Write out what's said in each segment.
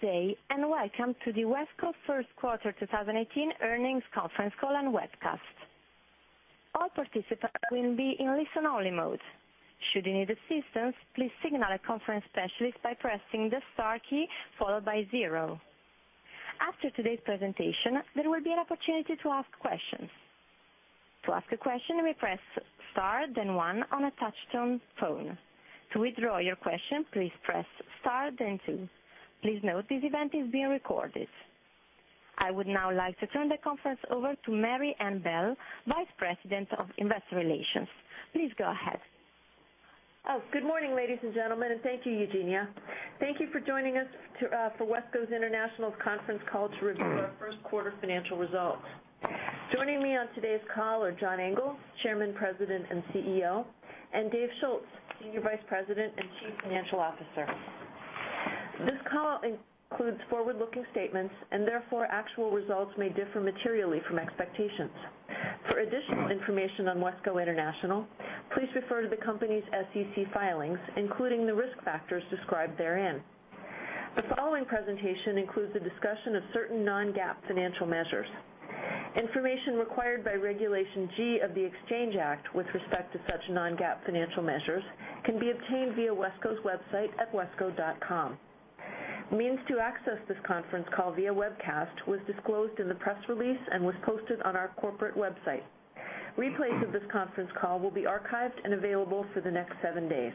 Good day, and welcome to the WESCO first quarter 2018 earnings conference call and webcast. All participants will be in listen only mode. Should you need assistance, please signal a conference specialist by pressing the star key followed by zero. After today's presentation, there will be an opportunity to ask questions. To ask a question, we press star, then one on a touchtone phone. To withdraw your question, please press star, then two. Please note this event is being recorded. I would now like to turn the conference over to Mary Ann Bell, Vice President of Investor Relations. Please go ahead. Good morning, ladies and gentlemen, and thank you Eugenia. Thank you for joining us for WESCO International's conference call to review our first quarter financial results. Joining me on today's call are John Engel, Chairman, President, and CEO, and Dave Schulz, Executive Vice President and Chief Financial Officer. Therefore, actual results may differ materially from expectations. For additional information on WESCO International, please refer to the company's SEC filings, including the risk factors described therein. The following presentation includes a discussion of certain non-GAAP financial measures. Information required by Regulation G of the Exchange Act with respect to such non-GAAP financial measures can be obtained via wesco.com. Means to access this conference call via webcast was disclosed in the press release and was posted on our corporate website. Replays of this conference call will be archived and available for the next seven days.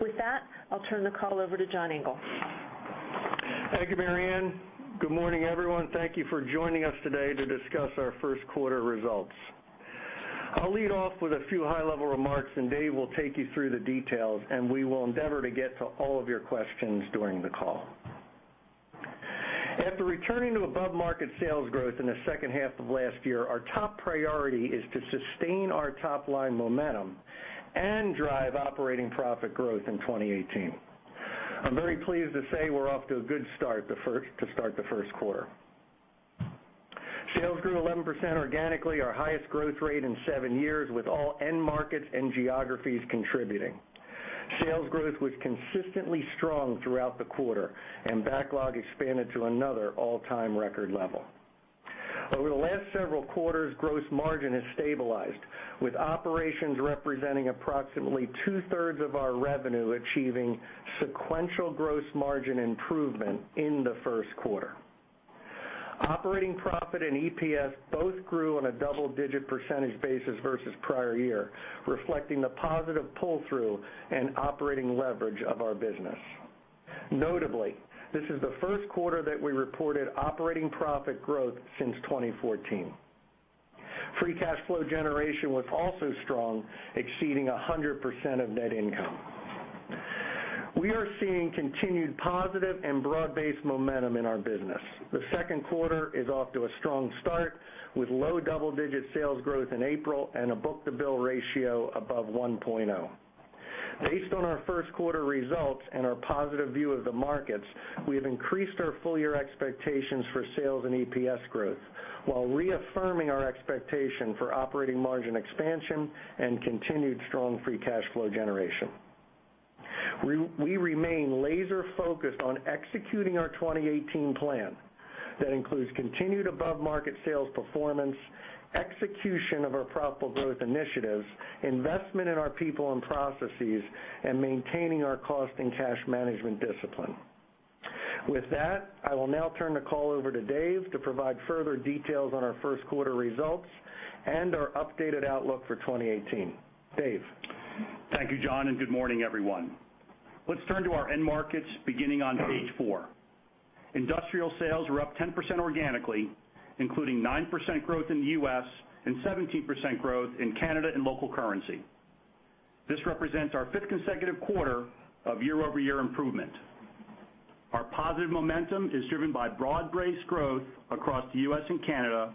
With that, I'll turn the call over to John Engel. Thank you, Mary Ann. Good morning, everyone. Thank you for joining us today to discuss our first quarter results. I'll lead off with a few high-level remarks, Dave will take you through the details. We will endeavor to get to all of your questions during the call. After returning to above-market sales growth in the second half of last year, our top priority is to sustain our top-line momentum and drive operating profit growth in 2018. I'm very pleased to say we're off to a good start to start the first quarter. Sales grew 11% organically, our highest growth rate in seven years, with all end markets and geographies contributing. Backlog expanded to another all-time record level. Over the last several quarters, gross margin has stabilized, with operations representing approximately two-thirds of our revenue achieving sequential gross margin improvement in the first quarter. Operating profit and EPS both grew on a double-digit percentage basis versus prior year, reflecting the positive pull-through and operating leverage of our business. Notably, this is the first quarter that we reported operating profit growth since 2014. Free cash flow generation was also strong, exceeding 100% of net income. We are seeing continued positive and broad-based momentum in our business. The second quarter is off to a strong start with low double-digit sales growth in April and a book-to-bill ratio above 1.0. Based on our first quarter results and our positive view of the markets, we have increased our full-year expectations for sales and EPS growth while reaffirming our expectation for operating margin expansion and continued strong free cash flow generation. We remain laser-focused on executing our 2018 plan. That includes continued above-market sales performance, execution of our profitable growth initiatives, investment in our people and processes, and maintaining our cost and cash management discipline. With that, I will now turn the call over to Dave to provide further details on our first quarter results and our updated outlook for 2018. Dave? Thank you, John, and good morning, everyone. Let's turn to our end markets, beginning on page four. Industrial sales were up 10% organically, including 9% growth in the U.S. and 17% growth in Canada in local currency. This represents our fifth consecutive quarter of year-over-year improvement. Our positive momentum is driven by broad-based growth across the U.S. and Canada,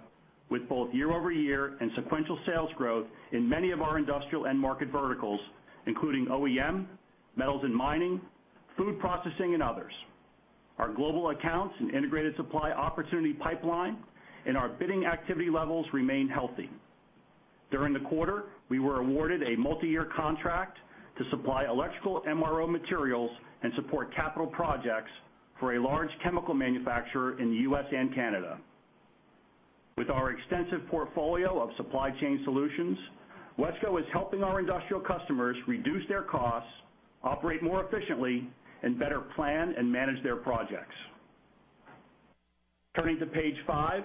with both year-over-year and sequential sales growth in many of our industrial end market verticals, including OEM, metals and mining, food processing, and others. Our global accounts and integrated supply opportunity pipeline and our bidding activity levels remain healthy. During the quarter, we were awarded a multi-year contract to supply electrical MRO materials and support capital projects for a large chemical manufacturer in the U.S. and Canada. With our extensive portfolio of supply chain solutions, WESCO is helping our industrial customers reduce their costs, operate more efficiently, and better plan and manage their projects. Turning to page five,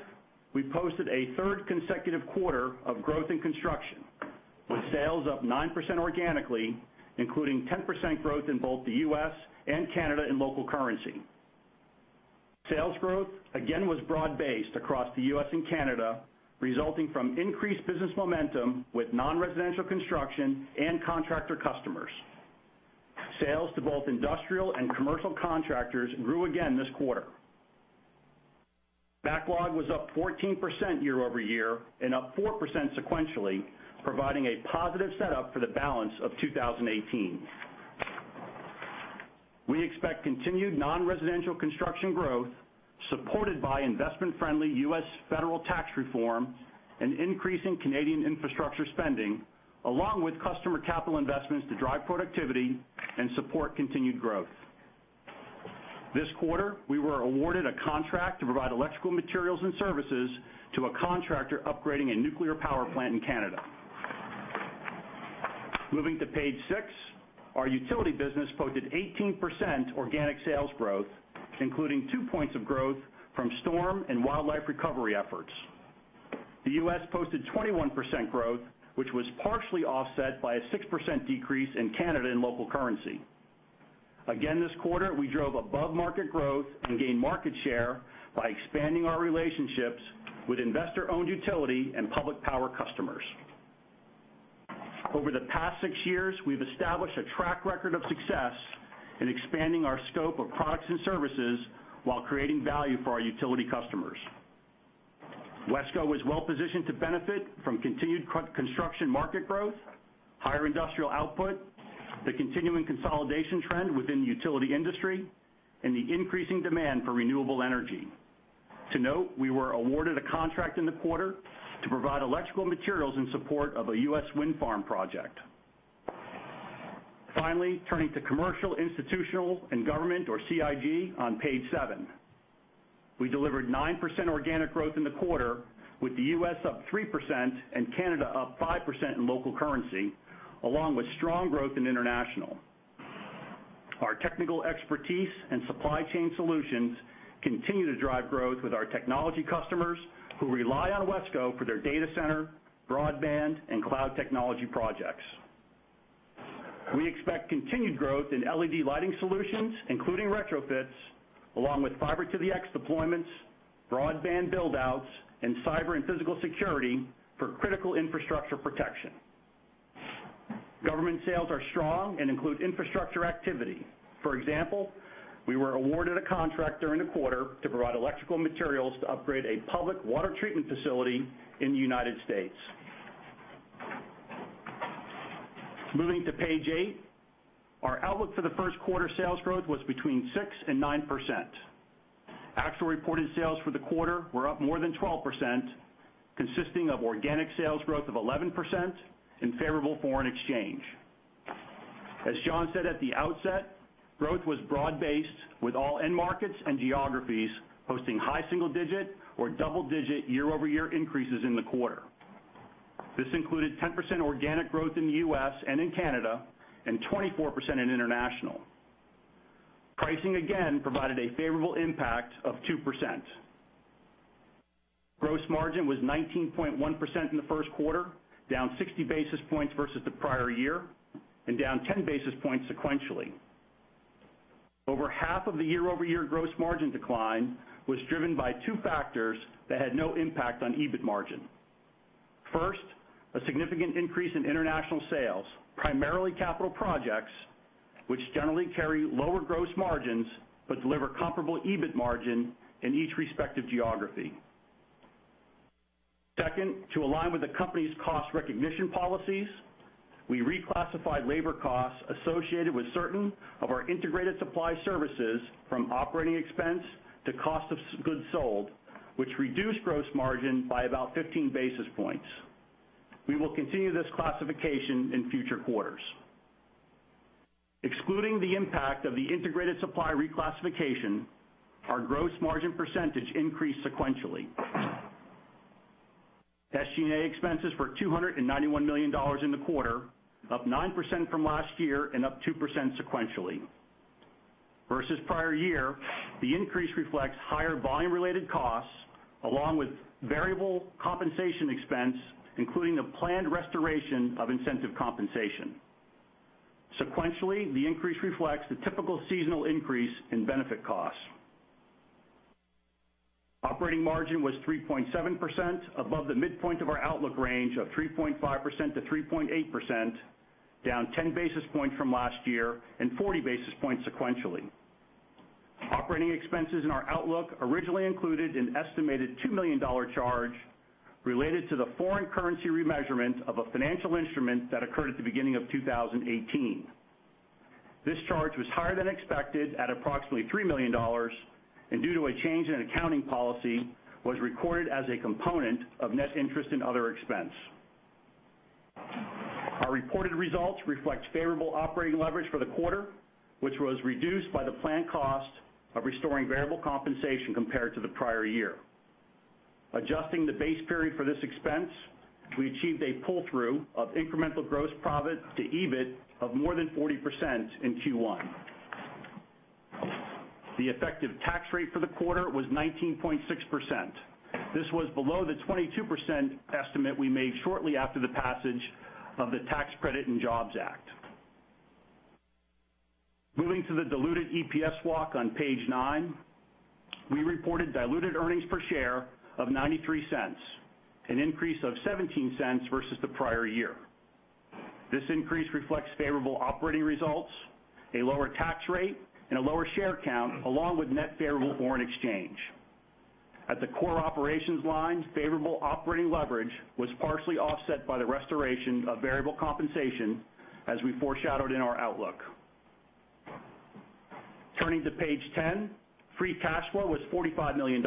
we posted a third consecutive quarter of growth in construction, with sales up 9% organically, including 10% growth in both the U.S. and Canada in local currency. Sales growth again was broad-based across the U.S. and Canada, resulting from increased business momentum with non-residential construction and contractor customers. Sales to both industrial and commercial contractors grew again this quarter. Backlog was up 14% year-over-year and up 4% sequentially, providing a positive setup for the balance of 2018. We expect continued non-residential construction growth supported by investment-friendly U.S. federal tax reform and increasing Canadian infrastructure spending, along with customer capital investments to drive productivity and support continued growth. This quarter, we were awarded a contract to provide electrical materials and services to a contractor upgrading a nuclear power plant in Canada. Moving to page six, our utility business posted 18% organic sales growth, including two points of growth from storm and wildlife recovery efforts. The U.S. posted 21% growth, which was partially offset by a 6% decrease in Canada in local currency. Again, this quarter, we drove above-market growth and gained market share by expanding our relationships with investor-owned utility and public power customers. Over the past six years, we've established a track record of success in expanding our scope of products and services while creating value for our utility customers. WESCO is well positioned to benefit from continued construction market growth, higher industrial output, the continuing consolidation trend within the utility industry, and the increasing demand for renewable energy. To note, we were awarded a contract in the quarter to provide electrical materials in support of a U.S. wind farm project. Finally, turning to commercial, institutional, and government, or CIG, on page seven. We delivered 9% organic growth in the quarter, with the U.S. up 3% and Canada up 5% in local currency, along with strong growth in international. Our technical expertise and supply chain solutions continue to drive growth with our technology customers who rely on WESCO for their data center, broadband, and cloud technology projects. We expect continued growth in LED lighting solutions, including retrofits, along with Fiber to the x deployments, broadband build-outs, and cyber and physical security for critical infrastructure protection. Government sales are strong and include infrastructure activity. For example, we were awarded a contract during the quarter to provide electrical materials to upgrade a public water treatment facility in the United States. Moving to page eight, our outlook for the first quarter sales growth was between 6% and 9%. Actual reported sales for the quarter were up more than 12%, consisting of organic sales growth of 11% and favorable foreign exchange. As John said at the outset, growth was broad-based with all end markets and geographies posting high single-digit or double-digit year-over-year increases in the quarter. This included 10% organic growth in the U.S. and in Canada and 24% in international. Pricing again provided a favorable impact of 2%. Gross margin was 19.1% in the first quarter, down 60 basis points versus the prior year and down 10 basis points sequentially. Over half of the year-over-year gross margin decline was driven by two factors that had no impact on EBIT margin. First, a significant increase in international sales, primarily capital projects, which generally carry lower gross margins but deliver comparable EBIT margin in each respective geography. Second, to align with the company's cost recognition policies, we reclassified labor costs associated with certain of our integrated supply services from operating expense to cost of goods sold, which reduced gross margin by about 15 basis points. We will continue this classification in future quarters. Excluding the impact of the integrated supply reclassification, our gross margin percentage increased sequentially. SG&A expenses were $291 million in the quarter, up 9% from last year and up 2% sequentially. Versus prior year, the increase reflects higher volume-related costs along with variable compensation expense, including the planned restoration of incentive compensation. Sequentially, the increase reflects the typical seasonal increase in benefit costs. Operating margin was 3.7%, above the midpoint of our outlook range of 3.5%-3.8%, down 10 basis points from last year and 40 basis points sequentially. Operating expenses in our outlook originally included an estimated $2 million charge related to the foreign currency remeasurement of a financial instrument that occurred at the beginning of 2018. This charge was higher than expected at approximately $3 million, and due to a change in accounting policy, was recorded as a component of net interest and other expense. Our reported results reflect favorable operating leverage for the quarter, which was reduced by the planned cost of restoring variable compensation compared to the prior year. Adjusting the base period for this expense, we achieved a pull-through of incremental gross profit to EBIT of more than 40% in Q1. The effective tax rate for the quarter was 19.6%. This was below the 22% estimate we made shortly after the passage of the Tax Cuts and Jobs Act. Moving to the diluted EPS walk on page nine, we reported diluted earnings per share of $0.93, an increase of $0.17 versus the prior year. This increase reflects favorable operating results, a lower tax rate, and a lower share count, along with net favorable foreign exchange. At the core operations line, favorable operating leverage was partially offset by the restoration of variable compensation as we foreshadowed in our outlook. Turning to page 10, free cash flow was $45 million,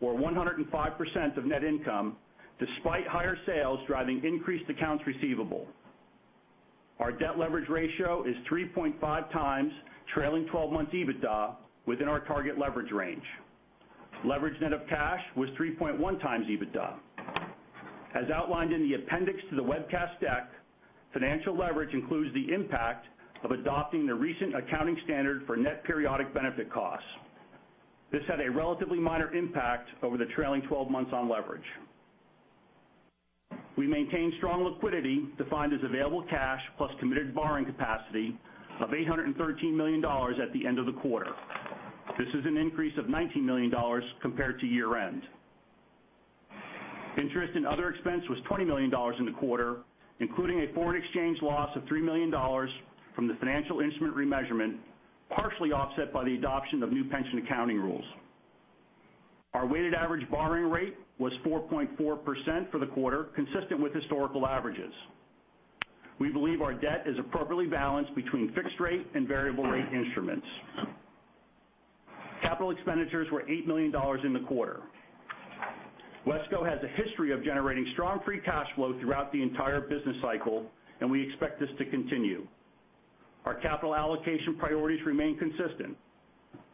or 105% of net income, despite higher sales driving increased accounts receivable. Our debt leverage ratio is 3.5 times trailing 12 months EBITDA within our target leverage range. Leveraged net of cash was 3.1 times EBITDA. As outlined in the appendix to the webcast deck, financial leverage includes the impact of adopting the recent accounting standard for net periodic benefit costs. This had a relatively minor impact over the trailing 12 months on leverage. We maintained strong liquidity, defined as available cash plus committed borrowing capacity of $813 million at the end of the quarter. This is an increase of $19 million compared to year-end. Interest and other expense was $20 million in the quarter, including a foreign exchange loss of $3 million from the financial instrument remeasurement, partially offset by the adoption of new pension accounting rules. Our weighted average borrowing rate was 4.4% for the quarter, consistent with historical averages. We believe our debt is appropriately balanced between fixed rate and variable rate instruments. Capital expenditures were $8 million in the quarter. WESCO has a history of generating strong free cash flow throughout the entire business cycle. We expect this to continue. Our capital allocation priorities remain consistent.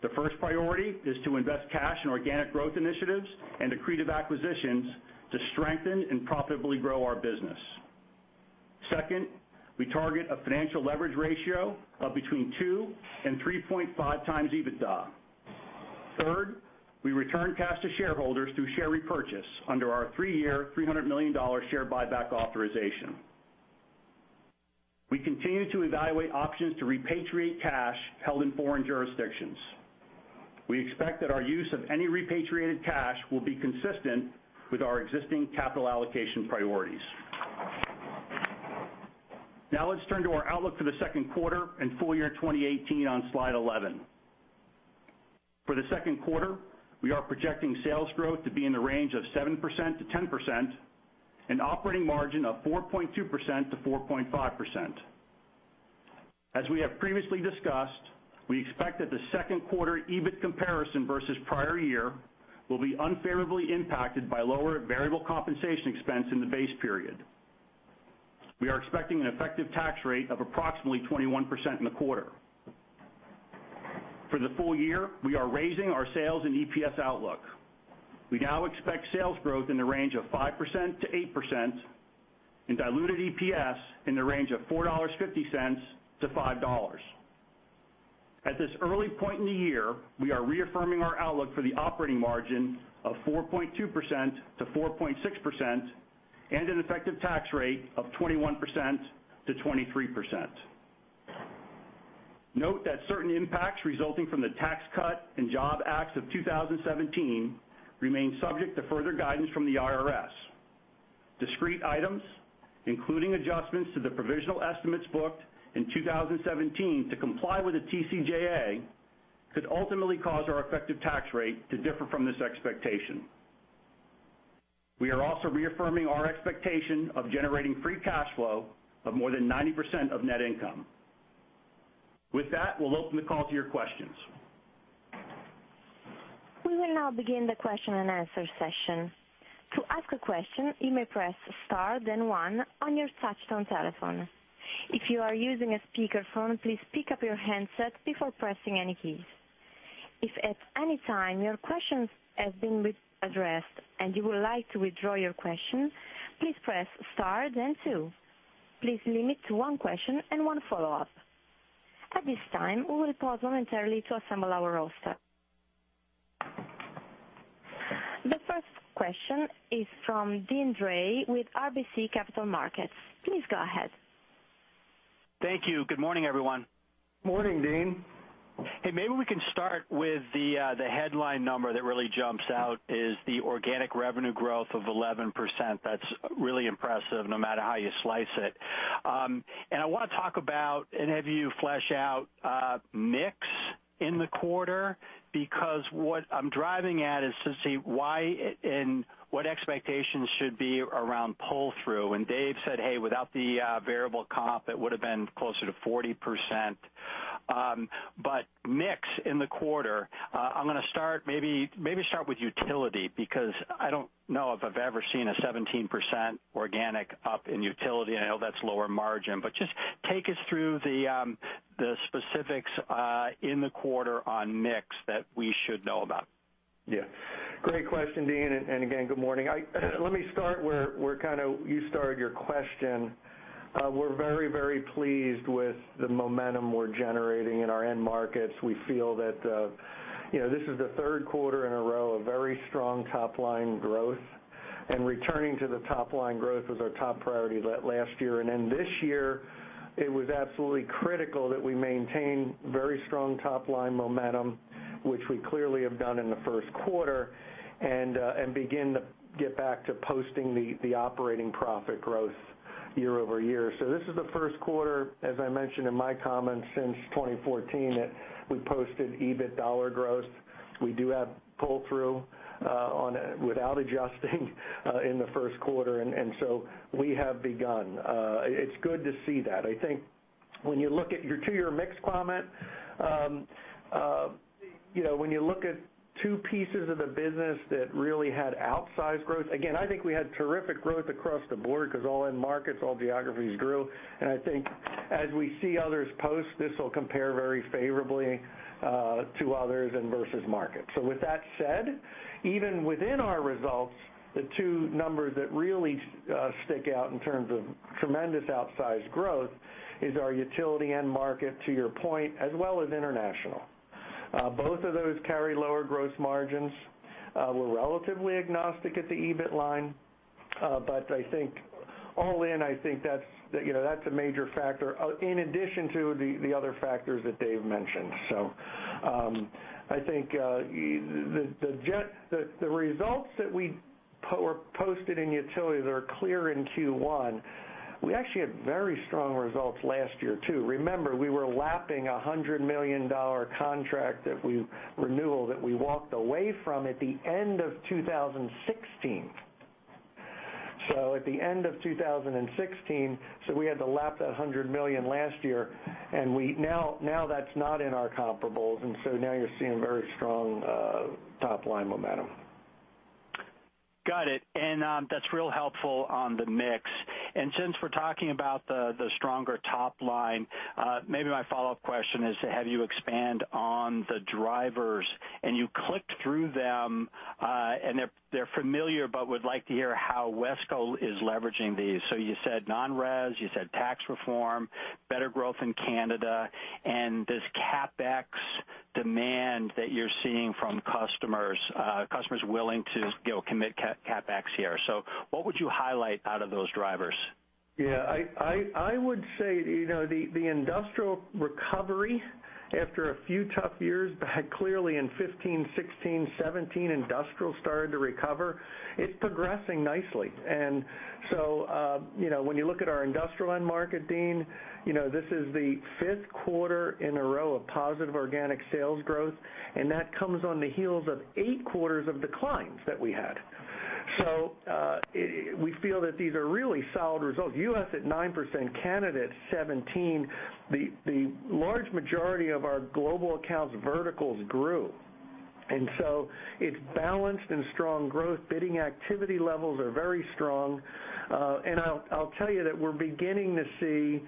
The first priority is to invest cash in organic growth initiatives and accretive acquisitions to strengthen and profitably grow our business. Second, we target a financial leverage ratio of between two and 3.5 times EBITDA. Third, we return cash to shareholders through share repurchase under our three-year, $300 million share buyback authorization. We continue to evaluate options to repatriate cash held in foreign jurisdictions. We expect that our use of any repatriated cash will be consistent with our existing capital allocation priorities. Let's turn to our outlook for the second quarter and full year 2018 on slide 11. For the second quarter, we are projecting sales growth to be in the range of 7%-10%, and operating margin of 4.2%-4.5%. As we have previously discussed, we expect that the second quarter EBIT comparison versus prior year will be unfavorably impacted by lower variable compensation expense in the base period. We are expecting an effective tax rate of approximately 21% in the quarter. For the full year, we are raising our sales and EPS outlook. We now expect sales growth in the range of 5%-8%, and diluted EPS in the range of $4.50-$5. At this early point in the year, we are reaffirming our outlook for the operating margin of 4.2%-4.6%, and an effective tax rate of 21%-23%. Note that certain impacts resulting from the Tax Cuts and Jobs Act of 2017 remain subject to further guidance from the IRS. Discrete items, including adjustments to the provisional estimates booked in 2017 to comply with the TCJA, could ultimately cause our effective tax rate to differ from this expectation. We are also reaffirming our expectation of generating free cash flow of more than 90% of net income. We'll open the call to your questions. We will now begin the question and answer session. To ask a question, you may press star then one on your touchtone telephone. If you are using a speakerphone, please pick up your handset before pressing any keys. If at any time your question has been addressed and you would like to withdraw your question, please press star then two. Please limit to one question and one follow-up. At this time, we will pause momentarily to assemble our roster. The first question is from Deane Dray with RBC Capital Markets. Please go ahead. Thank you. Good morning, everyone. Morning, Deane. Hey, maybe we can start with the headline number that really jumps out is the organic revenue growth of 11%. That's really impressive no matter how you slice it. I want to talk about, and have you flesh out mix in the quarter, because what I'm driving at is to see why and what expectations should be around pull-through. Dave said, "Hey, without the variable comp, it would've been closer to 40%." Mix in the quarter, maybe start with utility, because I don't know if I've ever seen a 17% organic up in utility, and I know that's lower margin. Just take us through the specifics in the quarter on mix that we should know about. Yeah. Great question, Deane. Again, good morning. Let me start where you started your question. We're very pleased with the momentum we're generating in our end markets. We feel that this is the third quarter in a row of very strong top-line growth. Returning to the top-line growth was our top priority last year. This year it was absolutely critical that we maintain very strong top-line momentum, which we clearly have done in the first quarter, Begin to get back to posting the operating profit growth Year-over-year. This is the first quarter, as I mentioned in my comments, since 2014, that we posted EBIT dollar growth. We do have pull-through without adjusting in the first quarter. We have begun. It's good to see that. I think when you look at your two-year mix comment, when you look at two pieces of the business that really had outsized growth. I think we had terrific growth across the board because all end markets, all geographies grew. I think as we see others post, this will compare very favorably to others and versus market. With that said, even within our results, the two numbers that really stick out in terms of tremendous outsized growth is our utility end market, to your point, as well as international. Both of those carry lower gross margins. We're relatively agnostic at the EBIT line. All in, I think that's a major factor, in addition to the other factors that Dave mentioned. I think the results that we posted in utilities are clear in Q1. We actually had very strong results last year, too. Remember, we were lapping a $100 million contract renewal that we walked away from at the end of 2016. At the end of 2016, we had to lap that $100 million last year, and now that's not in our comparables, now you're seeing very strong top-line momentum. Got it. That's real helpful on the mix. Since we're talking about the stronger top line, maybe my follow-up question is to have you expand on the drivers. You clicked through them, and they're familiar, but would like to hear how WESCO is leveraging these. You said non-res, you said tax reform, better growth in Canada, and this CapEx demand that you're seeing from customers willing to commit CapEx here. What would you highlight out of those drivers? I would say the industrial recovery after a few tough years, clearly in 2015, 2016, 2017, industrial started to recover. It's progressing nicely. When you look at our industrial end market, Deane, this is the fifth quarter in a row of positive organic sales growth, and that comes on the heels of eight quarters of declines that we had. We feel that these are really solid results. U.S. at 9%, Canada at 17%. The large majority of our global accounts verticals grew. It's balanced and strong growth. Bidding activity levels are very strong. I'll tell you that we're beginning to see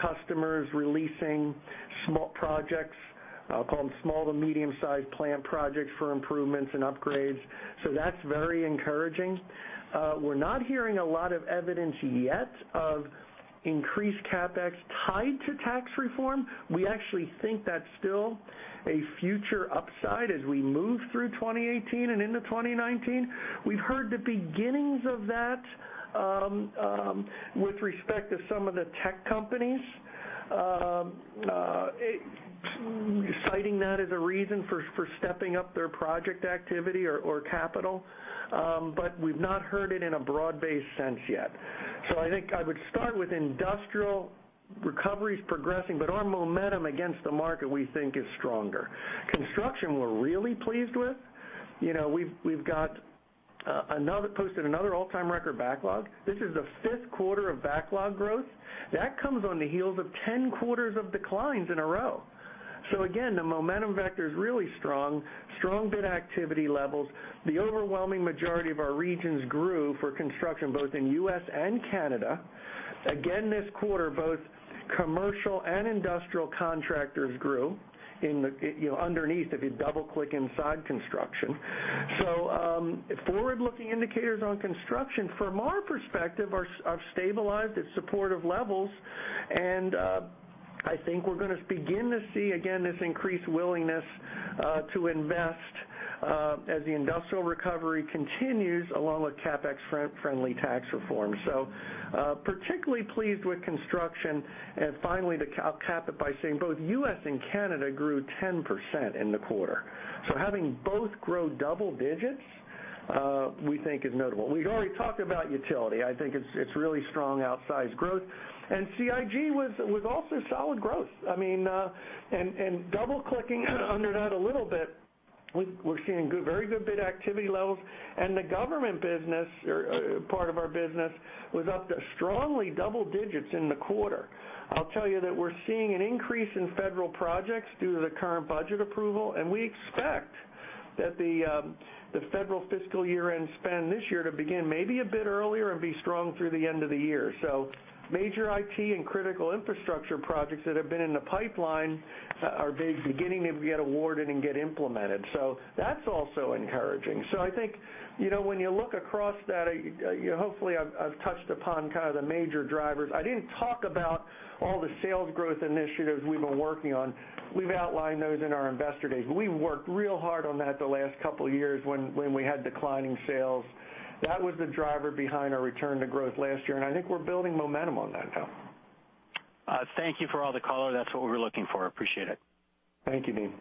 customers releasing small projects. I'll call them small to medium-sized plant projects for improvements and upgrades. That's very encouraging. We're not hearing a lot of evidence yet of increased CapEx tied to tax reform. We actually think that's still a future upside as we move through 2018 and into 2019. We've heard the beginnings of that with respect to some of the tech companies, citing that as a reason for stepping up their project activity or capital. We've not heard it in a broad-based sense yet. I think I would start with industrial recovery is progressing, but our momentum against the market, we think, is stronger. Construction, we're really pleased with. We've posted another all-time record backlog. This is the fifth quarter of backlog growth. That comes on the heels of 10 quarters of declines in a row. Again, the momentum vector is really strong. Strong bid activity levels. The overwhelming majority of our regions grew for construction, both in U.S. and Canada. Again, this quarter, both commercial and industrial contractors grew underneath, if you double-click inside construction. Forward-looking indicators on construction, from our perspective, are stabilized at supportive levels. I think we're going to begin to see, again, this increased willingness to invest as the industrial recovery continues, along with CapEx-friendly tax reform. Particularly pleased with construction. Finally, to cap it by saying both U.S. and Canada grew 10% in the quarter. Having both grow double digits, we think, is notable. We've already talked about utility. I think it's really strong outsized growth. CIG was also solid growth. Double-clicking under that a little bit, we're seeing very good bid activity levels. The government part of our business was up strongly double digits in the quarter. I'll tell you that we're seeing an increase in federal projects due to the current budget approval, and we expect that the federal fiscal year-end spend this year to begin maybe a bit earlier and be strong through the end of the year. Major IT and critical infrastructure projects that have been in the pipeline are beginning to get awarded and get implemented. That's also encouraging. I think when you look across that, hopefully, I've touched upon kind of the major drivers. I didn't talk about all the sales growth initiatives we've been working on. We've outlined those in our Investor Day, but we worked real hard on that the last couple of years when we had declining sales. That was the driver behind our return to growth last year, and I think we're building momentum on that now. Thank you for all the color. That's what we were looking for. Appreciate it. Thank you, Deane.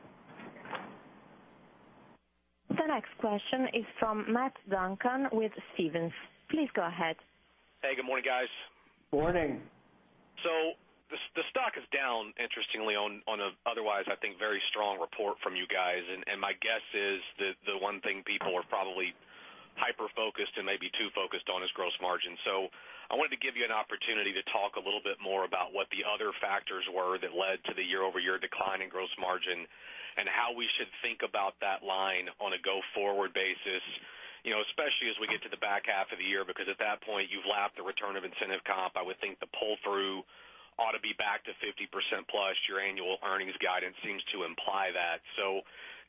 The next question is from Matt Duncan with Stephens. Please go ahead. Hey, good morning, guys. Morning. The stock is down interestingly on an otherwise, I think, very strong report from you guys. My guess is that the one thing people are probably hyper-focused and maybe too focused on is gross margin. I wanted to give you an opportunity to talk a little bit more about what the other factors were that led to the year-over-year decline in gross margin and how we should think about that line on a go-forward basis, especially as we get to the back half of the year. At that point, you've lapped the return of incentive comp. I would think the pull-through ought to be back to 50% plus. Your annual earnings guidance seems to imply that.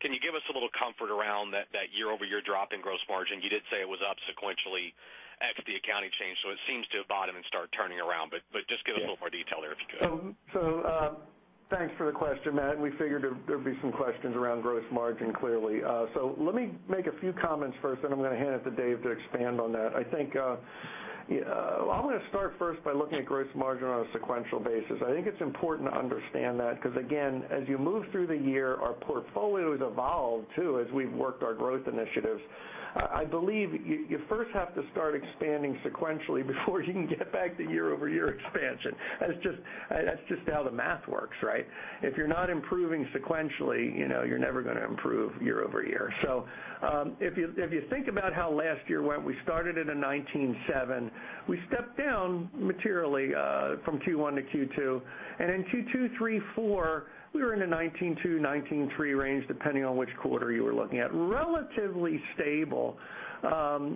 Can you give us a little comfort around that year-over-year drop in gross margin? You did say it was up sequentially, ex the accounting change. It seems to have bottomed and start turning around. Just give us a little more detail there if you could. Thanks for the question, Matt. We figured there'd be some questions around gross margin, clearly. Let me make a few comments first, then I'm going to hand it to Dave to expand on that. I want to start first by looking at gross margin on a sequential basis. I think it's important to understand that because again, as you move through the year, our portfolio has evolved too, as we've worked our growth initiatives. I believe you first have to start expanding sequentially before you can get back to year-over-year expansion. That's just how the math works, right? If you're not improving sequentially, you're never going to improve year-over-year. If you think about how last year went, we started at a 19.7%. We stepped down materially from Q1 to Q2, and in Q2, Q3, Q4, we were in a 19.2%-19.3% range, depending on which quarter you were looking at. Relatively stable.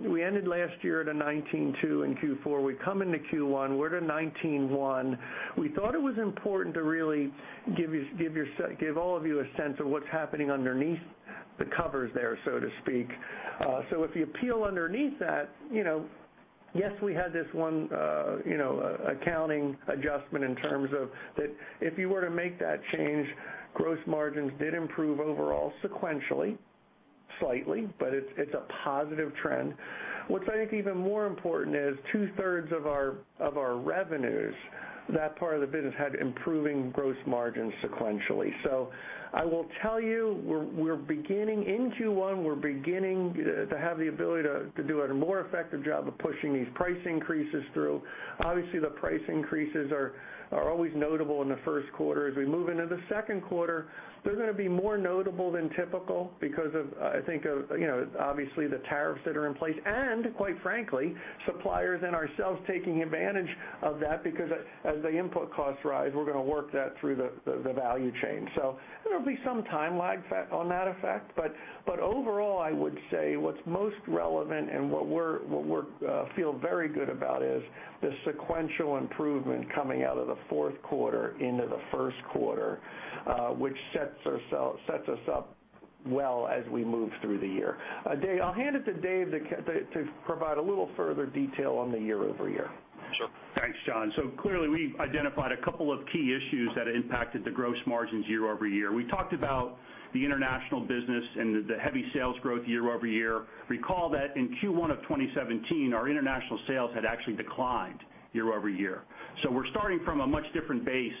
We ended last year at a 19.2% in Q4. We come into Q1, we're to 19.1%. We thought it was important to really give all of you a sense of what's happening underneath the covers there, so to speak. If you peel underneath that, yes, we had this one accounting adjustment in terms of that if you were to make that change, gross margins did improve overall sequentially, slightly, but it's a positive trend. What I think is even more important is two-thirds of our revenues, that part of the business had improving gross margins sequentially. I will tell you, in Q1, we're beginning to have the ability to do a more effective job of pushing these price increases through. Obviously, the price increases are always notable in the first quarter. As we move into the second quarter, they're going to be more notable than typical because of, I think, obviously the tariffs that are in place and quite frankly, suppliers and ourselves taking advantage of that because as the input costs rise, we're going to work that through the value chain. There'll be some time lag on that effect. Overall, I would say what's most relevant and what we feel very good about is the sequential improvement coming out of the fourth quarter into the first quarter, which sets us up well as we move through the year. Dave, I'll hand it to Dave to provide a little further detail on the year-over-year. Sure. Thanks, John. Clearly, we've identified a couple of key issues that impacted the gross margins year-over-year. We talked about the international business and the heavy sales growth year-over-year. Recall that in Q1 2017, our international sales had actually declined year-over-year. We're starting from a much different base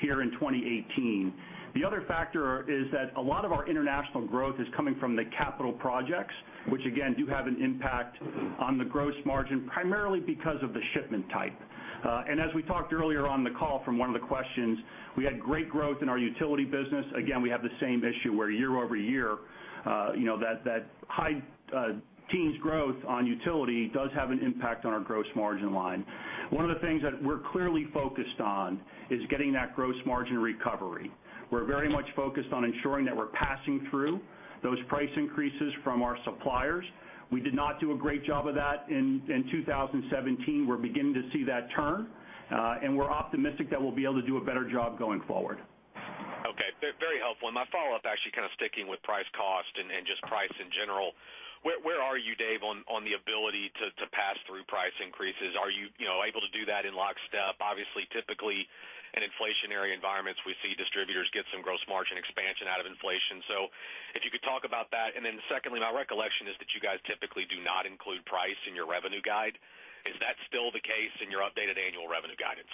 here in 2018. The other factor is that a lot of our international growth is coming from the capital projects, which again, do have an impact on the gross margin, primarily because of the shipment type. As we talked earlier on the call from one of the questions, we had great growth in our utility business. Again, we have the same issue where year-over-year, that high teens growth on utility does have an impact on our gross margin line. One of the things that we're clearly focused on is getting that gross margin recovery. We're very much focused on ensuring that we're passing through those price increases from our suppliers. We did not do a great job of that in 2017. We're beginning to see that turn. We're optimistic that we'll be able to do a better job going forward. Okay. Very helpful. My follow-up actually kind of sticking with price cost and just price in general. Where are you, Dave, on the ability to pass through price increases? Are you able to do that in lockstep? Obviously, typically in inflationary environments, we see distributors get some gross margin expansion out of inflation. If you could talk about that. Secondly, my recollection is that you guys typically do not include price in your revenue guide. Is that still the case in your updated annual revenue guidance?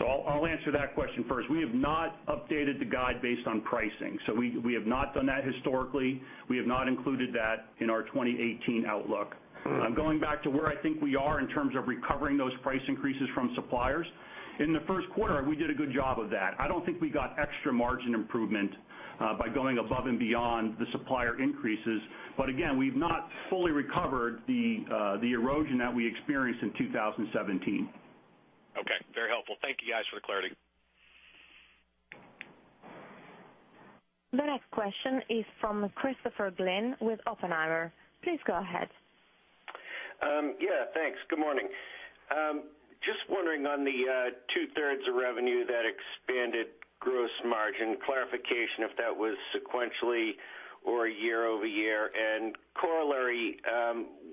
I'll answer that question first. We have not updated the guide based on pricing. We have not done that historically. We have not included that in our 2018 outlook. Going back to where I think we are in terms of recovering those price increases from suppliers. In the first quarter, we did a good job of that. I don't think we got extra margin improvement by going above and beyond the supplier increases. Again, we've not fully recovered the erosion that we experienced in 2017. Okay. Very helpful. Thank you guys for the clarity. The next question is from Christopher Glynn with Oppenheimer. Please go ahead. Yeah, thanks. Good morning. Just wondering on the two-thirds of revenue that expanded gross margin, clarification if that was sequentially or year-over-year. Corollary,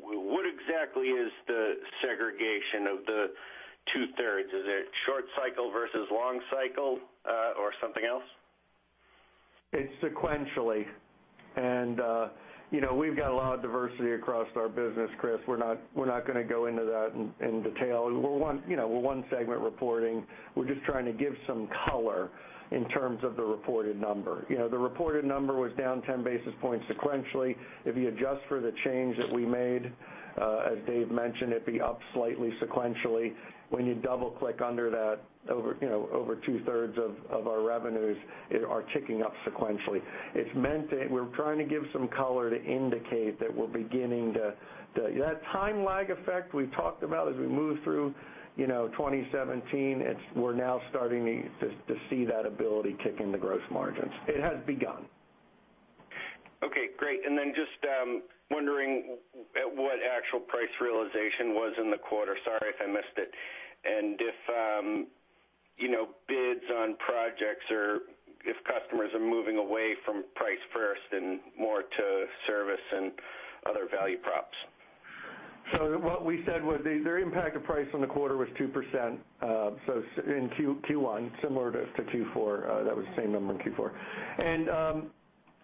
what exactly is the segregation of the two-thirds? Is it short cycle versus long cycle, or something else? It's sequentially. We've got a lot of diversity across our business, Chris. We're not going to go into that in detail. We're one segment reporting. We're just trying to give some color in terms of the reported number. The reported number was down 10 basis points sequentially. If you adjust for the change that we made, as Dave mentioned, it'd be up slightly sequentially. When you double-click under that, over two-thirds of our revenues are ticking up sequentially. We're trying to give some color to indicate that time lag effect we've talked about as we move through 2017, we're now starting to see that ability kick in the gross margins. It has begun. Okay, great. Just wondering at what actual price realization was in the quarter. Sorry if I missed it. If bids on projects or if customers are moving away from price first and more to service and other value props. What we said was the impact of price on the quarter was 2%, in Q1, similar to Q4, that was the same number in Q4.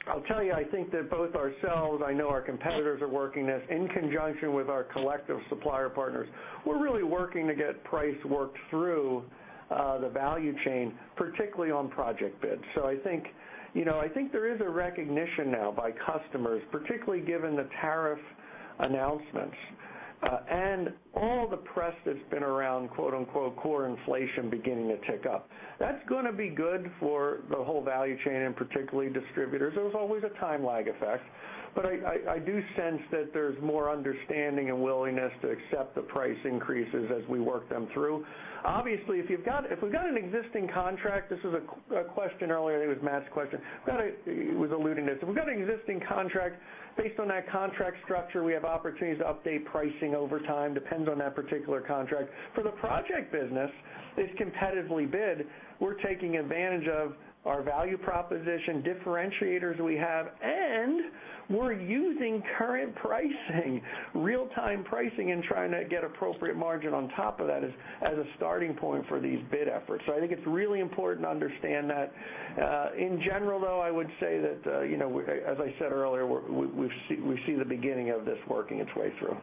I'll tell you, I think that both ourselves, I know our competitors are working this in conjunction with our collective supplier partners. We're really working to get price worked through the value chain, particularly on project bids. I think there is a recognition now by customers, particularly given the tariff announcements. All the press that's been around quote unquote, "core inflation beginning to tick up." That's going to be good for the whole value chain, and particularly distributors. There was always a time lag effect. I do sense that there's more understanding and willingness to accept the price increases as we work them through. Obviously, if we've got an existing contract, this was a question earlier, I think it was Matt's question. He was alluding to this. If we've got an existing contract, based on that contract structure, we have opportunities to update pricing over time, depends on that particular contract. For the project business, it's competitively bid. We're taking advantage of our value proposition, differentiators we have, and we're using current pricing, real-time pricing, and trying to get appropriate margin on top of that as a starting point for these bid efforts. I think it's really important to understand that. In general, though, I would say that, as I said earlier, we see the beginning of this working its way through.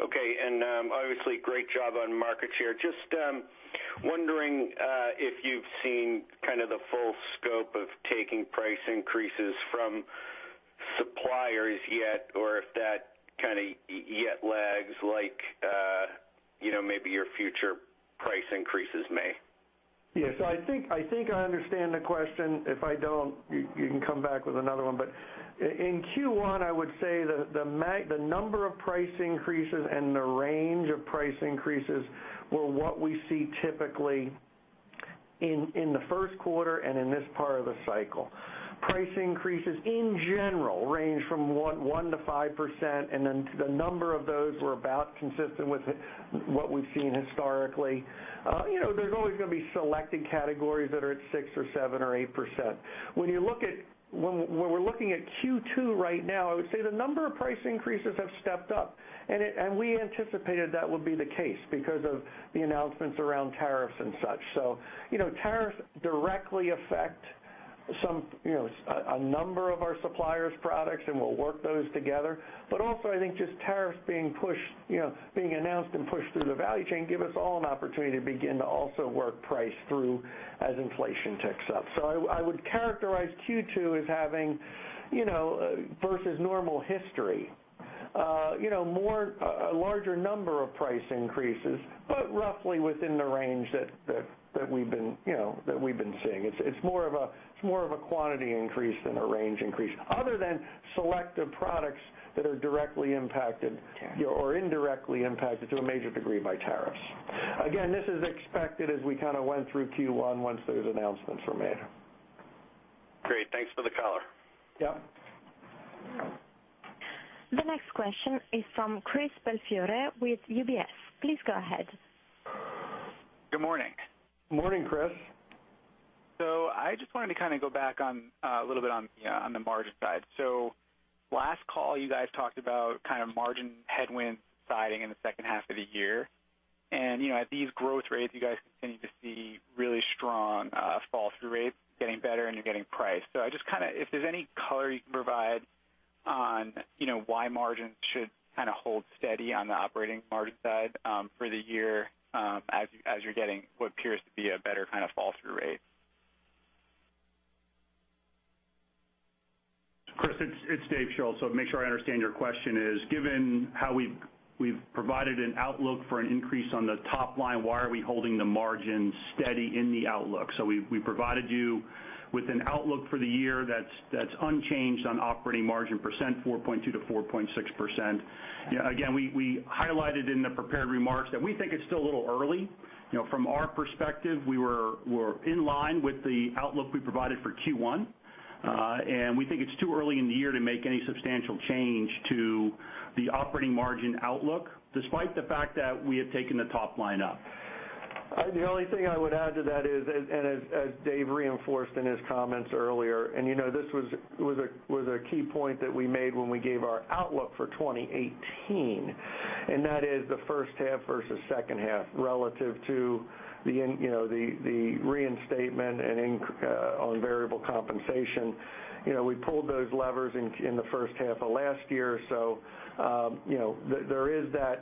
Okay, obviously great job on market share. Just wondering if you've seen kind of the full scope of taking price increases from suppliers yet, or if that kind of yet lags like maybe your future price increases may. Yeah. I think I understand the question. If I don't, you can come back with another one. In Q1, I would say the number of price increases and the range of price increases were what we see typically in the first quarter and in this part of the cycle. Price increases in general range from 1%-5%, and then the number of those were about consistent with what we've seen historically. There's always going to be selected categories that are at 6% or 7% or 8%. When we're looking at Q2 right now, I would say the number of price increases have stepped up, and we anticipated that would be the case because of the announcements around tariffs and such. Tariffs directly affect a number of our suppliers' products, and we'll work those together. Also, I think just tariffs being announced and pushed through the value chain give us all an opportunity to begin to also work price through as inflation ticks up. I would characterize Q2 as having, versus normal history, a larger number of price increases, but roughly within the range that we've been seeing. It's more of a quantity increase than a range increase, other than selective products that are directly impacted or indirectly impacted to a major degree by tariffs. Again, this is expected as we kind of went through Q1 once those announcements were made. Great. Thanks for the color. Yeah. The next question is from Christopher Belfiore with UBS. Please go ahead. Good morning. Morning, Chris. I just wanted to kind of go back a little bit on the margin side. Last call, you guys talked about kind of margin headwinds siding in the second half of the year. At these growth rates, you guys continue to see really strong fall-through rates getting better and you're getting price. If there's any color you can provide on why margins should kind of hold steady on the operating margin side for the year as you're getting what appears to be a better kind of fall-through rate. Chris, it's Dave Schulz. Make sure I understand your question is, given how we've provided an outlook for an increase on the top line, why are we holding the margin steady in the outlook? We provided you with an outlook for the year that's unchanged on operating margin %, 4.2%-4.6%. Again, we highlighted in the prepared remarks that we think it's still a little early. From our perspective, we're in line with the outlook we provided for Q1. We think it's too early in the year to make any substantial change to the operating margin outlook, despite the fact that we have taken the top line up. The only thing I would add to that is, as Dave reinforced in his comments earlier, this was a key point that we made when we gave our outlook for 2018, and that is the first half versus second half relative to the reinstatement on variable compensation. We pulled those levers in the first half of last year, so that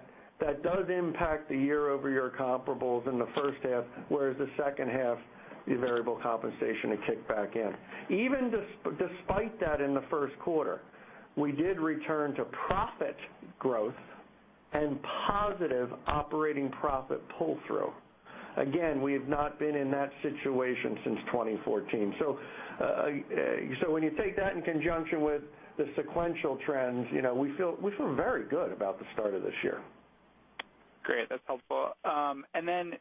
does impact the year-over-year comparables in the first half, whereas the second half, the variable compensation, it kicked back in. Even despite that, in the first quarter, we did return to profit growth and positive operating profit pull-through. Again, we have not been in that situation since 2014. When you take that in conjunction with the sequential trends, we feel very good about the start of this year. Great. That's helpful.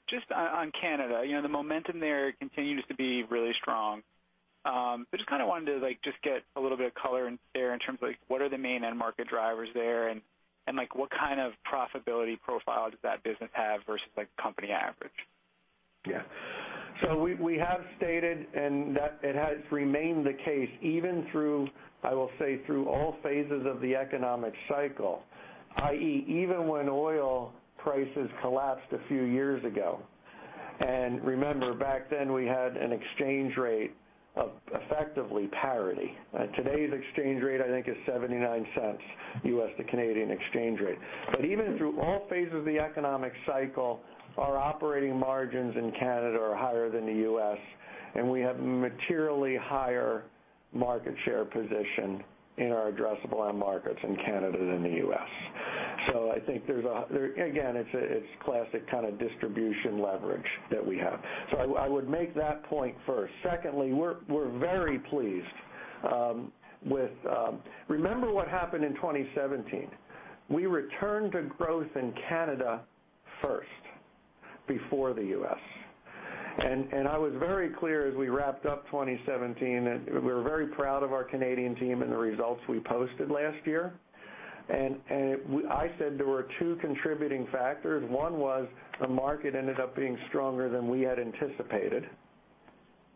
Just on Canada, the momentum there continues to be really strong. I just wanted to get a little bit of color there in terms of what are the main end market drivers there, and what kind of profitability profile does that business have versus company average? Yeah. We have stated, it has remained the case even through, I will say, through all phases of the economic cycle, i.e., even when oil prices collapsed a few years ago. Remember, back then, we had an exchange rate of effectively parity. Today's exchange rate, I think, is $0.79 U.S., the Canadian exchange rate. Even through all phases of the economic cycle, our operating margins in Canada are higher than the U.S., and we have materially higher market share position in our addressable end markets in Canada than the U.S. I think, again, it's classic kind of distribution leverage that we have. I would make that point first. Remember what happened in 2017. We returned to growth in Canada first, before the U.S. I was very clear as we wrapped up 2017, that we're very proud of our Canadian team and the results we posted last year. I said there were two contributing factors. One was the market ended up being stronger than we had anticipated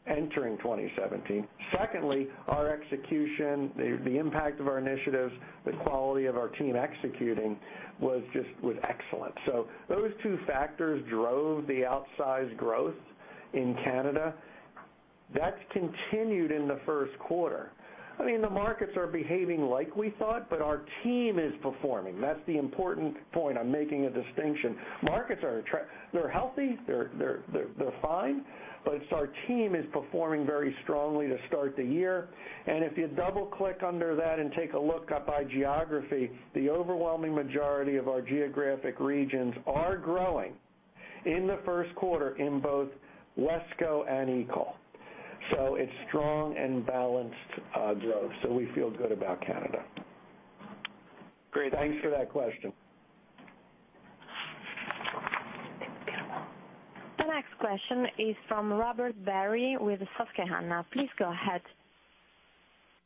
entering 2017. Secondly, our execution, the impact of our initiatives, the quality of our team executing was excellent. Those two factors drove the outsized growth in Canada. That's continued in the first quarter. The markets are behaving like we thought, but our team is performing. That's the important point. I'm making a distinction. Markets are healthy, they're fine, but it's our team is performing very strongly to start the year. If you double-click under that and take a look up by geography, the overwhelming majority of our geographic regions are growing in the first quarter in both WESCO and Eagle. It's strong and balanced growth. We feel good about Canada. Great. Thanks for that question. The next question is from Robert Barry with Susquehanna. Please go ahead.